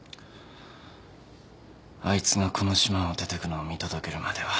あいつがこの島を出てくのを見届けるまでは。